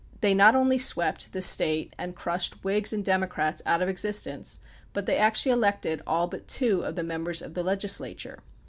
They not only swept the State and crushed Whigs and Democrats out of existence, but they actually elected all but two of the members of the legislature.